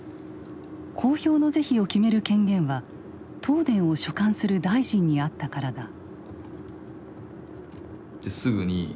公表の是非を決める権限は東電を所管する大臣にあったからだ。